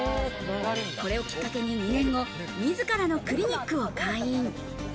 これをきっかけに２年後、自らのクリニックを開院。